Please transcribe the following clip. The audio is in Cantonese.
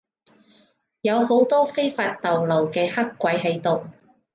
有好多非法逗留嘅黑鬼喺度